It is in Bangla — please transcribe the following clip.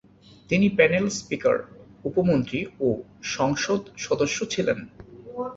তিনি প্যানেল স্পিকার, উপমন্ত্রী ও সংসদ সদস্য ছিলেন।